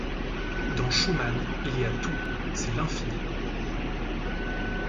Dans Schumann, il y a tout, c'est l'infini.